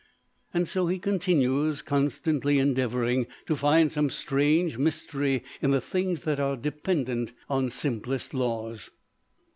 And so he continues, constantly endeavoring to find some strange mystery in the things that are dependent on simplest laws.